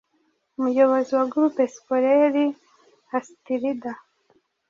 umuyobozi wa Groupe Scolaire Asitirida.